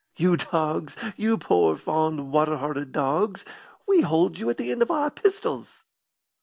You dogs you poor, fond, water hearted dogs we hold you at the end of our pistols!"